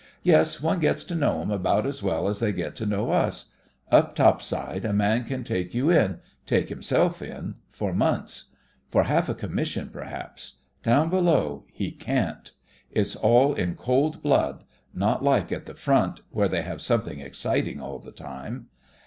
Yes, one gets to know 'em about as well as they get to know us. Up topside, a man can take you in — take himself in — for months; for half a commission, p'rhaps. Down below he can't. It's all in cold blood — not like at the front, where they have something exciting all the time."